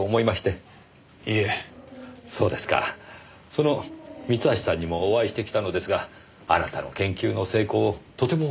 その三橋さんにもお会いしてきたのですがあなたの研究の成功をとても喜んでましたよ。